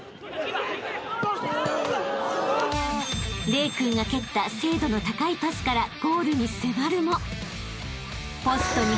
［玲君が蹴った精度の高いパスからゴールに迫るも］